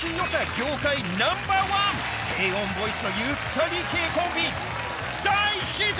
業界ナンバー１、低音ボイスのゆったり系コンビ、大自然。